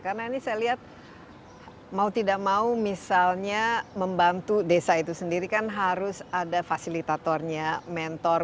karena ini saya lihat mau tidak mau misalnya membantu desa itu sendiri kan harus ada fasilitatornya mentor